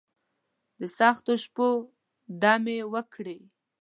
دسختو شپو، دمې وکړي